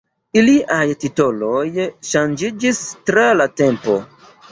Iliaj titoloj ŝanĝiĝis tra la tempo.